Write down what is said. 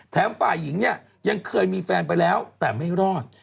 ฝ่ายหญิงเนี่ยยังเคยมีแฟนไปแล้วแต่ไม่รอด